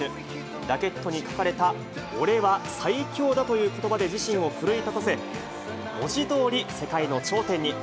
ラケットに書かれた、俺は最強だということばで自身を奮い立たせ、文字どおり、世界の頂点に。